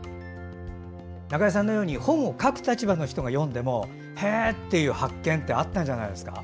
中江さんのように本を書く立場の人が読んでもへえっていう発見ってあったんじゃないんですか？